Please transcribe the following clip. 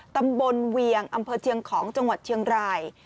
ตำบลเวียงอำเภอเชียงของจังหวัดเชียงราย